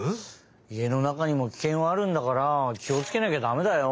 家の中にもキケンはあるんだからきをつけなきゃだめだよ。